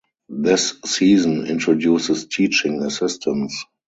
This season introduces teaching assistants.